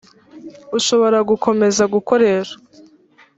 ushobora gukomeza gukoreshwa